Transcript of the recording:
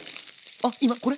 あっ今これ？